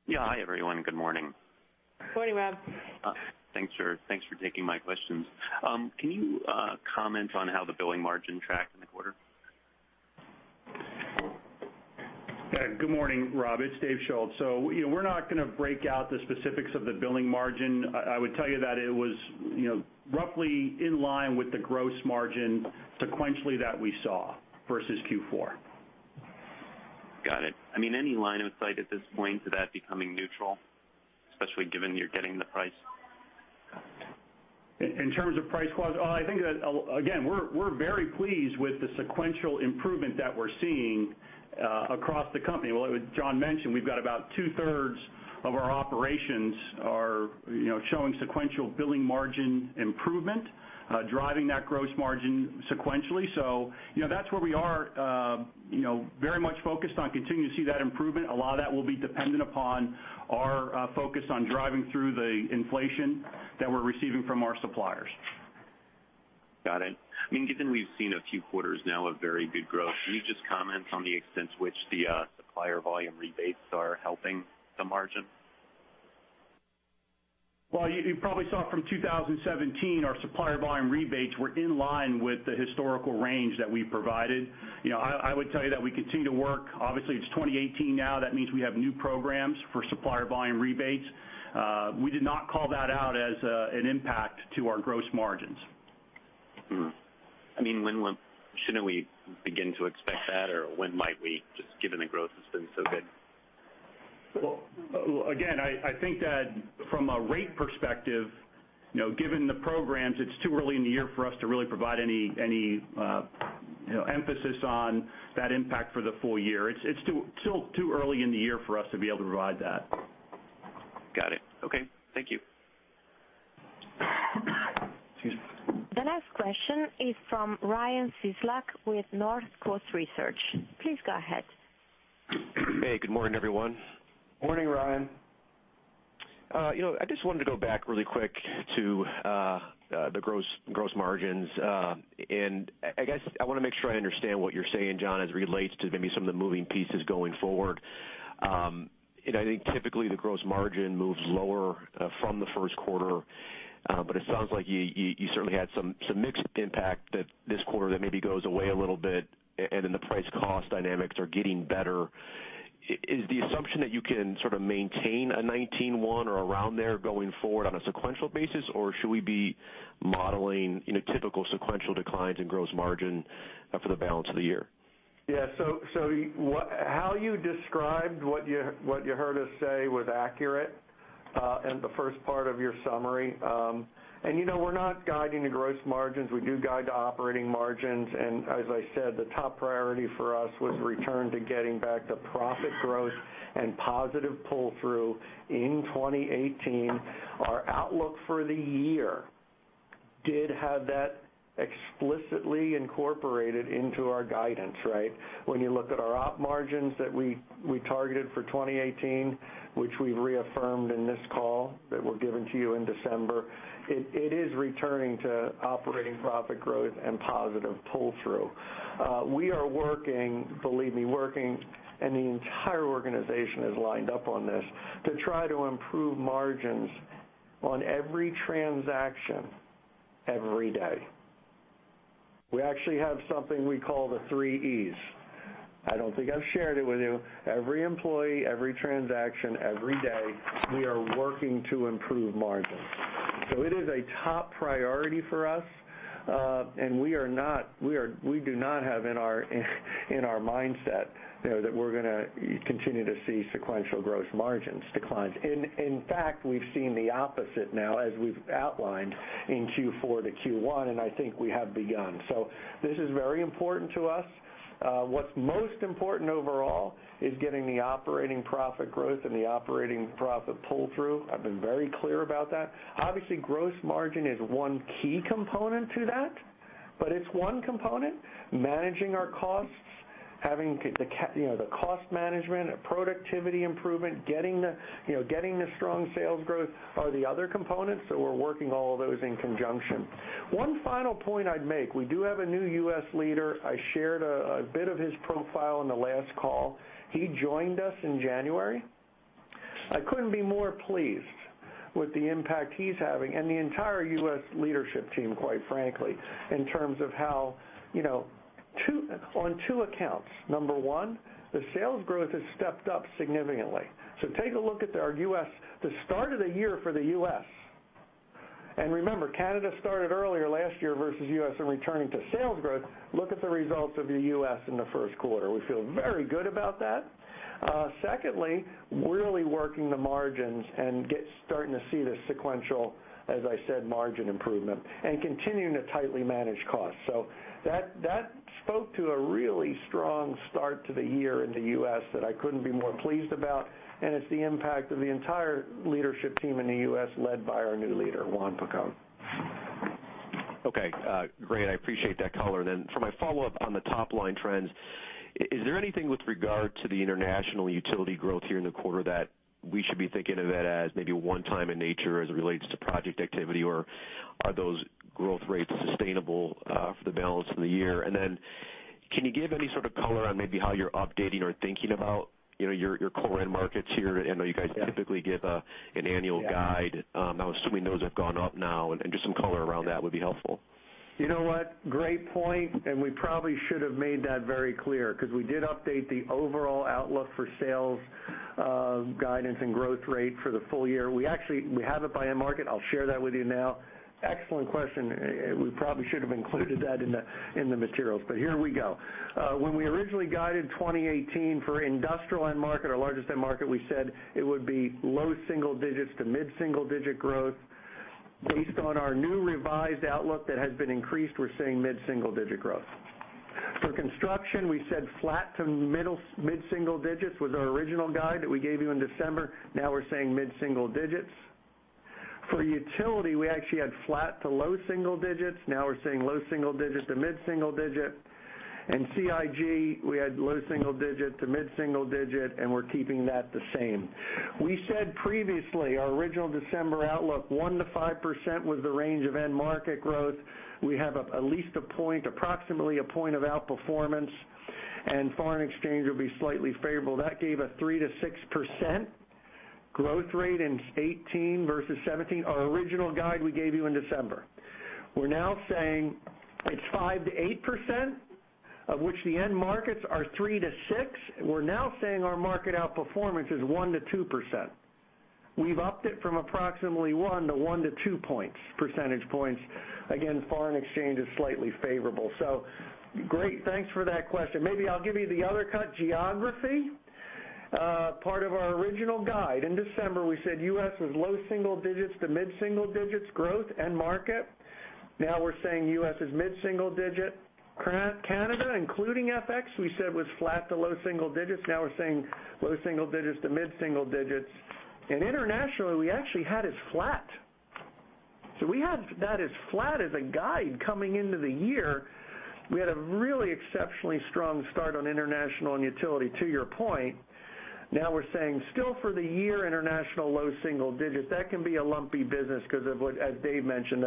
Yeah. Hi, everyone, and good morning. Morning, Rob. Thanks for taking my questions. Can you comment on how the billing margin tracked in the quarter? Good morning, Rob. It's Dave Schulz. We're not going to break out the specifics of the billing margin. I would tell you that it was roughly in line with the gross margin sequentially that we saw versus Q4. Got it. Any line of sight at this point to that becoming neutral, especially given you're getting the price? In terms of price clause. I think that, again, we're very pleased with the sequential improvement that we're seeing across the company. As John mentioned, we've got about two-thirds of our operations are showing sequential billing margin improvement, driving that gross margin sequentially. That's where we are very much focused on continuing to see that improvement. A lot of that will be dependent upon our focus on driving through the inflation that we're receiving from our suppliers. Got it. Given we've seen a few quarters now of very good growth, can you just comment on the extent to which the supplier volume rebates are helping the margin? You probably saw from 2017, our supplier volume rebates were in line with the historical range that we provided. I would tell you that we continue to work. Obviously, it's 2018 now. That means we have new programs for supplier volume rebates. We did not call that out as an impact to our gross margins. When shouldn't we begin to expect that, or when might we just given the growth that's been so good? Well, again, I think that from a rate perspective, given the programs, it's too early in the year for us to really provide any emphasis on that impact for the full year. It's still too early in the year for us to be able to provide that. Got it. Okay. Thank you. Excuse me. The next question is from Ryan Cieslak with North Coast Research. Please go ahead. Hey, good morning, everyone. Morning, Ryan. I just wanted to go back really quick to the gross margins. I guess I want to make sure I understand what you're saying, John, as it relates to maybe some of the moving pieces going forward. I think typically the gross margin moves lower from the first quarter. It sounds like you certainly had some mixed impact that this quarter that maybe goes away a little bit, and then the price cost dynamics are getting better. Is the assumption that you can sort of maintain a 19.1% or around there going forward on a sequential basis? Should we be modeling typical sequential declines in gross margin for the balance of the year? Yeah. How you described what you heard us say was accurate, the first part of your summary. We're not guiding the gross margins. We do guide to operating margins. As I said, the top priority for us was return to getting back to profit growth and positive pull-through in 2018. Our outlook for the year did have that explicitly incorporated into our guidance, right? When you look at our op margins that we targeted for 2018, which we've reaffirmed in this call that were given to you in December, it is returning to operating profit growth and positive pull-through. We are working, believe me, working. The entire organization is lined up on this to try to improve margins on every transaction, every day. We actually have something we call the three E's. I don't think I've shared it with you. Every employee, every transaction, every day, we are working to improve margins. It is a top priority for us. We do not have in our mindset that we're going to continue to see sequential gross margins declines. In fact, we've seen the opposite now as we've outlined in Q4 to Q1, and I think we have begun. This is very important to us. What's most important overall is getting the operating profit growth and the operating profit pull-through. I've been very clear about that. Obviously, gross margin is one key component to that, but it's one component. Managing our costs, having the cost management, productivity improvement, getting the strong sales growth are the other components. We're working all of those in conjunction. One final point I'd make, we do have a new U.S. leader. I shared a bit of his profile on the last call. He joined us in January. I couldn't be more pleased with the impact he's having and the entire U.S. leadership team, quite frankly, in terms of how on two accounts. Number one, the sales growth has stepped up significantly. Take a look at the start of the year for the U.S. Remember, Canada started earlier last year versus U.S. in returning to sales growth. Look at the results of the U.S. in the first quarter. We feel very good about that. Secondly, really working the margins and starting to see the sequential, as I said, margin improvement and continuing to tightly manage costs. That spoke to a really strong start to the year in the U.S. that I couldn't be more pleased about, and it's the impact of the entire leadership team in the U.S. led by our new leader, Juan Picon. Okay. Great. I appreciate that color. For my follow-up on the top-line trends, is there anything with regard to the international utility growth here in the quarter that we should be thinking of that as maybe a one-time in nature as it relates to project activity? Or are those growth rates sustainable for the balance of the year? Can you give any sort of color on maybe how you're updating or thinking about your core end markets here? I know you guys typically give an annual guide. I'm assuming those have gone up now, and just some color around that would be helpful. You know what? Great point, we probably should have made that very clear because we did update the overall outlook for sales guidance and growth rate for the full year. We have it by end market. I'll share that with you now. Excellent question. We probably should have included that in the materials, here we go. When we originally guided 2018 for industrial end market, our largest end market, we said it would be low single-digits to mid-single-digit growth. Based on our new revised outlook that has been increased, we're saying mid-single-digit growth. For construction, we said flat to mid-single-digits was our original guide that we gave you in December. Now we're saying mid-single-digits. For utility, we actually had flat to low single-digits. Now we're saying low single-digits to mid-single-digit. CIG, we had low single-digit to mid-single-digit, and we're keeping that the same. We said previously, our original December outlook, 1%-5% was the range of end market growth. We have at least approximately a point of outperformance, and foreign exchange will be slightly favorable. That gave a 3%-6% growth rate in 2018 versus 2017. Our original guide we gave you in December. We're now saying it's 5%-8%, of which the end markets are 3%-6%. We're now saying our market outperformance is 1%-2%. We've upped it from approximately one to two points, percentage points. Again, foreign exchange is slightly favorable. Great. Thanks for that question. Maybe I'll give you the other cut, geography. Our original guide in December, we said U.S. was low single-digits to mid-single-digits growth end market. Now we're saying U.S. is mid-single-digit. Canada, including FX, we said was flat to low single-digits. Now we're saying low single-digits to mid-single-digits. Internationally, we actually had it flat. We had that as flat as a guide coming into the year. We had a really exceptionally strong start on international and utility, to your point. Now we're saying still for the year, international low single-digits. That can be a lumpy business because as Dave mentioned,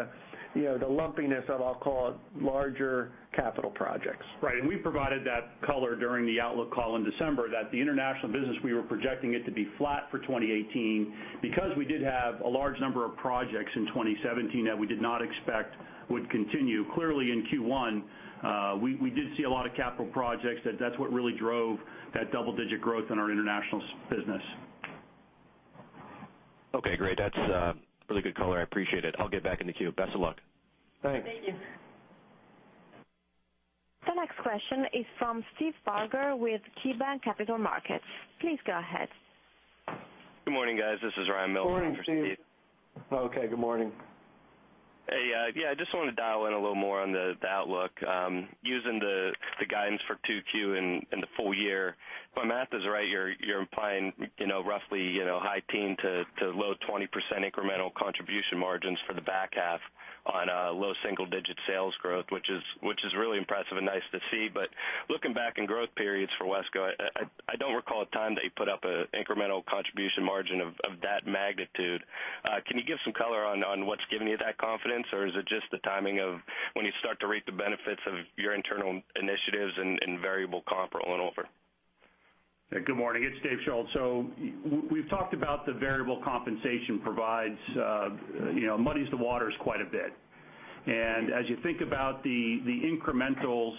the lumpiness of, I'll call it, larger capital projects. Right. We provided that color during the outlook call in December that the international business, we were projecting it to be flat for 2018, because we did have a large number of projects in 2017 that we did not expect would continue. Clearly in Q1, we did see a lot of capital projects. That's what really drove that double-digit growth in our international business. Great. That's really good color. I appreciate it. I'll get back in the queue. Best of luck. Thanks. Thank you. The next question is from Steve Barger with KeyBanc Capital Markets. Please go ahead. Good morning, guys. This is Ryan Mills in for Steve. Morning, Steve. Okay. Good morning. Yeah, I just want to dial in a little more on the outlook. Using the guidance for 2Q and the full year, if my math is right, you are implying roughly high teens to low 20% incremental contribution margins for the back half on low single-digit sales growth, which is really impressive and nice to see. Looking back in growth periods for WESCO, I don't recall a time that you put up an incremental contribution margin of that magnitude. Can you give some color on what's giving you that confidence? Or is it just the timing of when you start to reap the benefits of your internal initiatives and variable comp rolling over? Good morning. It's Dave Schulz. We've talked about the variable compensation muddies the waters quite a bit. As you think about the incrementals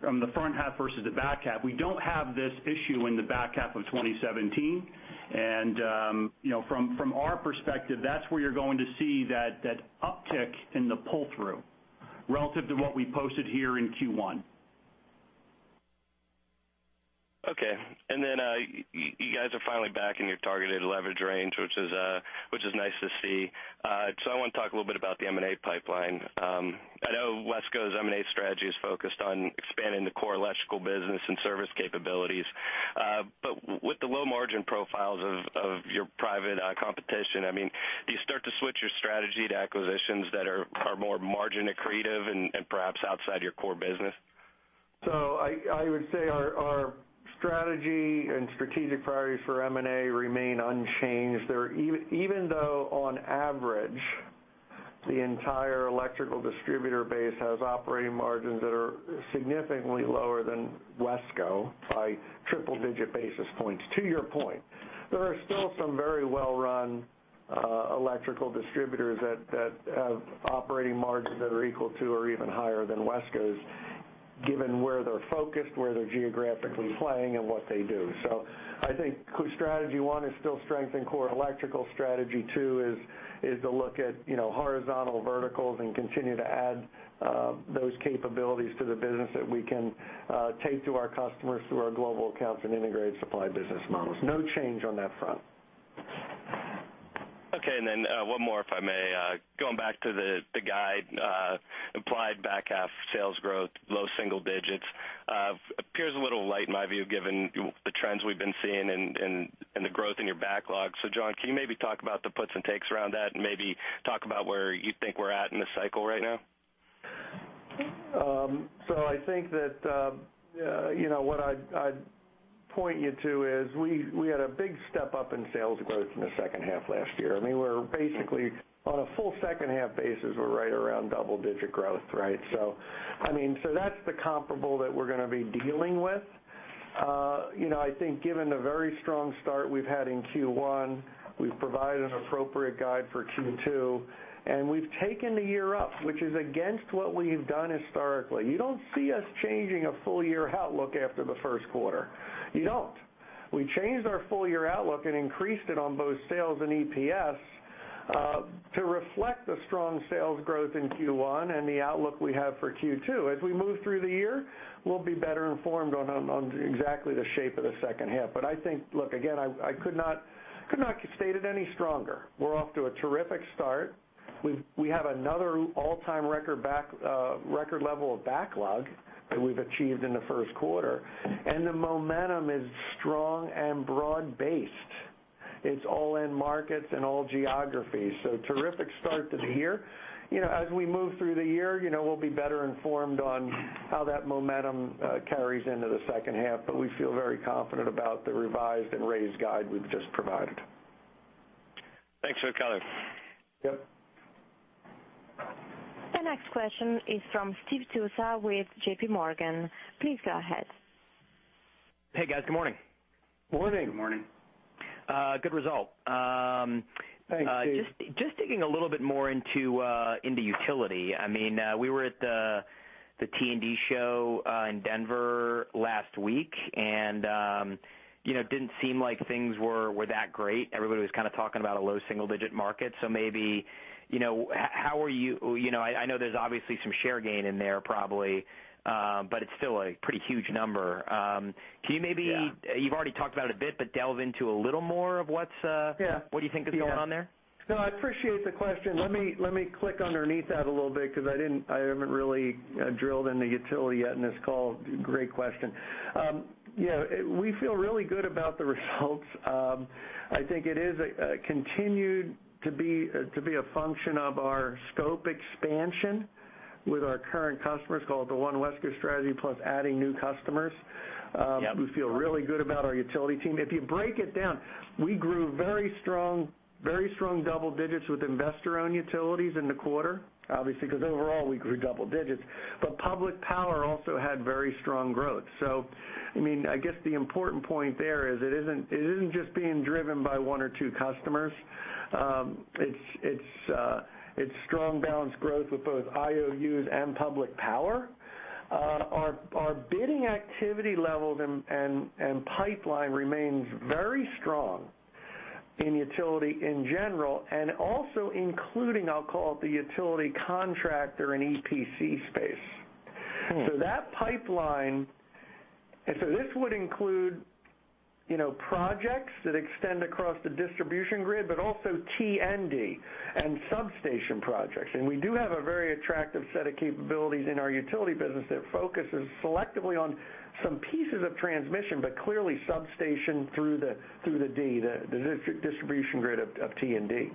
from the front half versus the back half, we don't have this issue in the back half of 2017. From our perspective, that's where you're going to see that uptick in the pull-through relative to what we posted here in Q1. Okay. Then you guys are finally back in your targeted leverage range, which is nice to see. I want to talk a little bit about the M&A pipeline. I know WESCO's M&A strategy is focused on expanding the core electrical business and service capabilities. With the low margin profiles of your private competition, do you start to switch your strategy to acquisitions that are more margin accretive and perhaps outside your core business? I would say our strategy and strategic priorities for M&A remain unchanged. Even though on average, the entire electrical distributor base has operating margins that are significantly lower than WESCO by triple-digit basis points. To your point, there are still some very well-run electrical distributors that have operating margins that are equal to or even higher than WESCO's, given where they're focused, where they're geographically playing and what they do. I think strategy 1 is still strengthen core electrical. Strategy 2 is to look at horizontal verticals and continue to add those capabilities to the business that we can take to our customers through our global accounts and integrated supply business models. No change on that front. Okay. One more, if I may. Going back to the guide, implied back half sales growth, low single digits. Appears a little light in my view, given the trends we've been seeing and the growth in your backlog. John, can you maybe talk about the puts and takes around that and maybe talk about where you think we're at in the cycle right now? I think that what I'd point you to is we had a big step-up in sales growth in the second half last year. We're basically on a full second half basis, we're right around double-digit growth, right? That's the comparable that we're going to be dealing with. I think given the very strong start we've had in Q1, we've provided an appropriate guide for Q2, and we've taken the year up, which is against what we've done historically. You don't see us changing a full-year outlook after the first quarter. You don't. We changed our full-year outlook and increased it on both sales and EPS, to reflect the strong sales growth in Q1 and the outlook we have for Q2. As we move through the year, we'll be better informed on exactly the shape of the second half. Look, again, I could not state it any stronger. We're off to a terrific start. We have another all-time record level of backlog that we've achieved in the first quarter, and the momentum is strong and broad-based. It's all in markets and all geographies. Terrific start to the year. As we move through the year, we'll be better informed on how that momentum carries into the second half, we feel very confident about the revised and raised guide we've just provided. Thanks for the color. Yep. The next question is from Steve Tusa with J.P. Morgan. Please go ahead. Hey, guys. Good morning. Morning. Good morning. Good result. Thanks, Steve. Just digging a little bit more into utility. We were at the T&D show in Denver last week, and it didn't seem like things were that great. Everybody was kind of talking about a low single-digit market. I know there's obviously some share gain in there probably. It's still a pretty huge number. Yeah. You've already talked about it a bit, but delve into a little more of what you think is going on there? Yeah. I appreciate the question. Let me click underneath that a little bit because I haven't really drilled into utility yet in this call. Great question. We feel really good about the results. I think it is continued to be a function of our scope expansion. With our current customers, call it the One WESCO strategy, plus adding new customers. Yeah. We feel really good about our utility team. If you break it down, we grew very strong double digits with investor-owned utilities in the quarter, obviously, because overall, we grew double digits. Public Power also had very strong growth. I guess the important point there is it isn't just being driven by one or two customers. It's strong balanced growth with both IOUs and Public Power. Our bidding activity levels and pipeline remains very strong in utility in general, also including, I'll call it the utility contractor and EPC space. That pipeline this would include projects that extend across the distribution grid, but also T&D and substation projects. We do have a very attractive set of capabilities in our utility business that focuses selectively on some pieces of transmission, but clearly substation through the D, the distribution grid of T&D.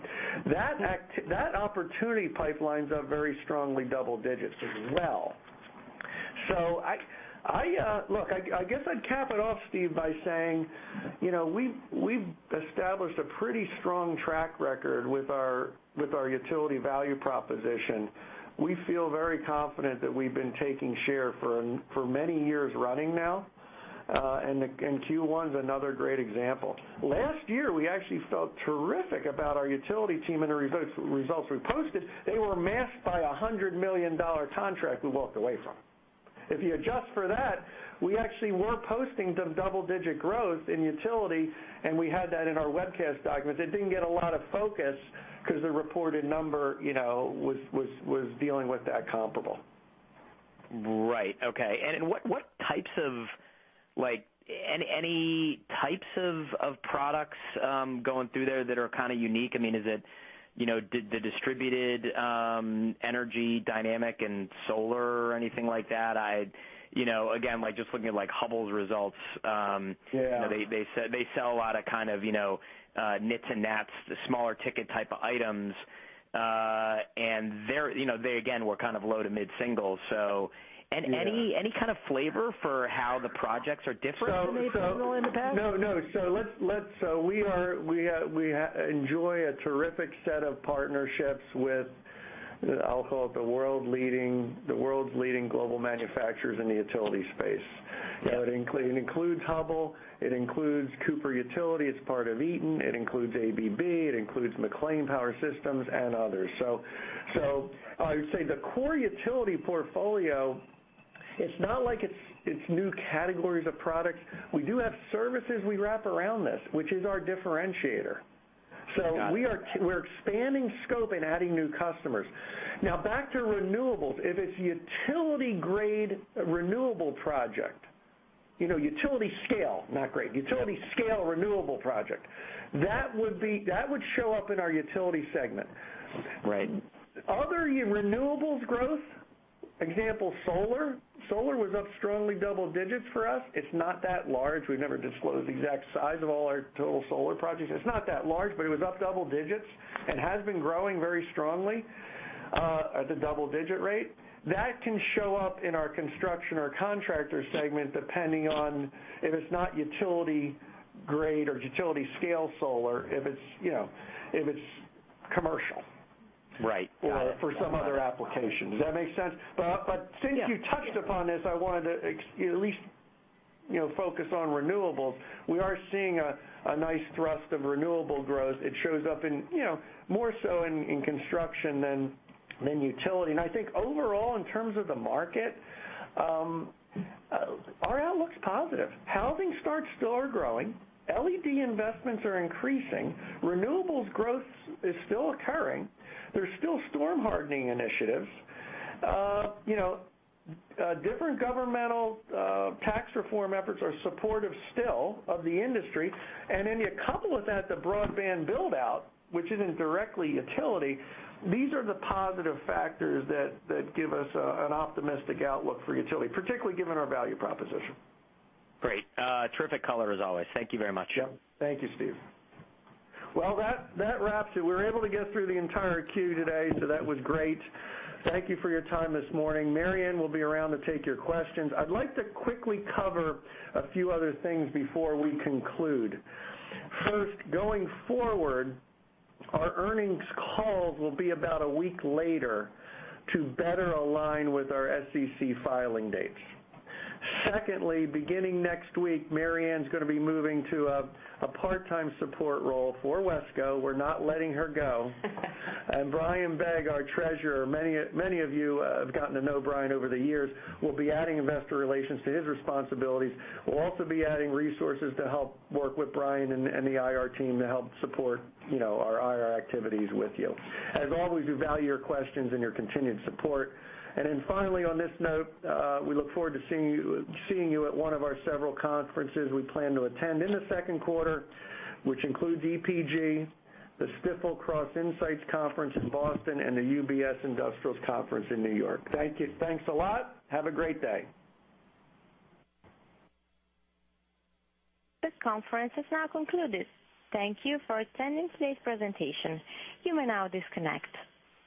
That opportunity pipeline's up very strongly double digits as well. Look, I guess I'd cap it off, Steve, by saying, we've established a pretty strong track record with our utility value proposition. We feel very confident that we've been taking share for many years running now. Q1 is another great example. Last year, we actually felt terrific about our utility team and the results we posted. They were masked by a $100 million contract we walked away from. If you adjust for that, we actually were posting some double-digit growth in utility, and we had that in our webcast document. It didn't get a lot of focus because the reported number was dealing with that comparable. Right. Okay. Any types of products going through there that are kind of unique? Is it the distributed energy dynamic and solar or anything like that? Again, just looking at Hubbell's results. Yeah They sell a lot of kind of nits and nats, the smaller ticket type of items. They, again, were kind of low to mid-single. Yeah Any kind of flavor for how the projects are different than they've been rolling in the past? No. We enjoy a terrific set of partnerships with, I'll call it the world's leading global manufacturers in the utility space. Yeah. It includes Hubbell. It includes Cooper Power Systems. It's part of Eaton. It includes ABB. It includes MacLean Power Systems and others. I would say the core utility portfolio, it's not like it's new categories of products. We do have services we wrap around this, which is our differentiator. Got it. We're expanding scope and adding new customers. Now back to renewables. If it's utility scale renewable project. That would show up in our utility segment. Right. Other renewables growth, example, solar. Solar was up strongly double digits for us. It's not that large. We never disclose the exact size of all our total solar projects. It's not that large, but it was up double digits and has been growing very strongly at a double-digit rate. That can show up in our construction or contractor segment, depending on if it's not utility grade or utility scale solar, if it's commercial- Right. Got it For some other application. Does that make sense? Yeah. Since you touched upon this, I wanted to at least focus on renewables. We are seeing a nice thrust of renewable growth. It shows up more so in construction than utility. I think overall, in terms of the market, our outlook's positive. Housing starts still are growing. LED investments are increasing. Renewables growth is still occurring. There's still storm hardening initiatives. Different governmental tax reform efforts are supportive still of the industry. Then you couple with that the broadband build-out, which isn't directly utility. These are the positive factors that give us an optimistic outlook for utility, particularly given our value proposition. Great. Terrific color as always. Thank you very much. Thank you, Steve. Well, that wraps it. We were able to get through the entire queue today, so that was great. Thank you for your time this morning. Mary Ann will be around to take your questions. I'd like to quickly cover a few other things before we conclude. First, going forward, our earnings calls will be about a week later to better align with our SEC filing dates. Secondly, beginning next week, Mary Ann's going to be moving to a part-time support role for WESCO. We're not letting her go. Brian Begg, our treasurer, many of you have gotten to know Brian over the years, will be adding investor relations to his responsibilities. We'll also be adding resources to help work with Brian and the IR team to help support our IR activities with you. As always, we value your questions and your continued support. Finally, on this note, we look forward to seeing you at one of our several conferences we plan to attend in the second quarter, which includes EPG, the Stifel Cross Sector Insight Conference in Boston, and the UBS Global Industrials and Transportation Conference in New York. Thank you. Thanks a lot. Have a great day. This conference is now concluded. Thank you for attending today's presentation. You may now disconnect.